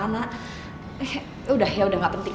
ya udah gak penting